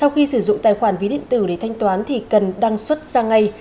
khi sử dụng tài khoản ví điện tử để thanh toán thì cần đăng xuất ra ngay